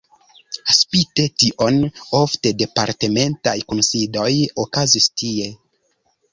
Spite tion ofte departementaj kunsidoj okazis tie.